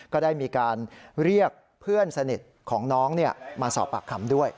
ก็ได้มีการเรียกเพื่อนสนิทของน้องมาสอบปากคำด้วย